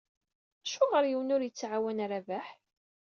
Acuɣer yiwen ur yettɛawan Rabaḥ?